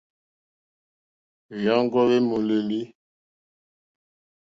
Hwèɔ́ŋɡɔ́ hwé !mólélí.